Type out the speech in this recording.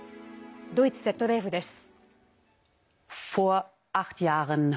ドイツＺＤＦです。